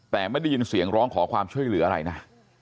แต่ไม่ได้ยินเสียงร้องขอความช่วยเหลืออะไรนะ